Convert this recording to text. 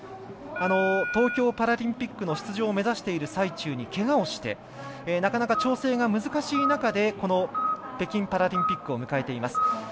東京パラリンピックの出場を目指している最中にけがをしてなかなか調整が難しい中でこの北京パラリンピックを迎えています。